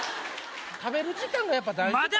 食べる時間がやっぱ大事。